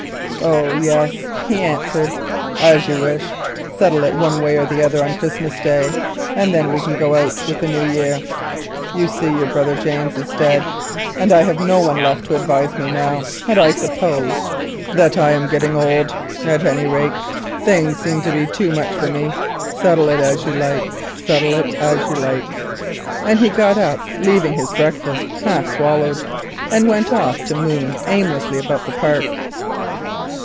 "Oh, yes," he answered, "as you wish; settle it one way or the other on Christmas Day, and then we can go out with the new year. You see your brother James is dead, I have no one left to advise me now, and I suppose that I am getting old. At any rate, things seem to be too much for me. Settle it as you like; settle it as you like," and he got up, leaving his breakfast half swallowed, and went off to moon aimlessly about the park.